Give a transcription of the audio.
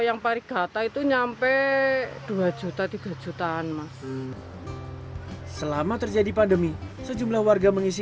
yang parigata itu nyampe dua juta tiga jutaan mas selama terjadi pandemi sejumlah warga mengisi